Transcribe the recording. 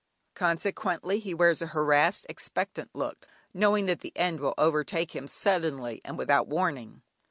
Consequently he wears a harassed, expectant look, knowing that the end will overtake him suddenly and without warning.